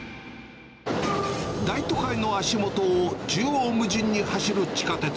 大都会の足元を縦横無尽に走る地下鉄。